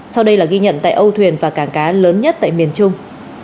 sau đây là ghi nhận tại âu thuyền và cảng cá lớn nhất tại miền trung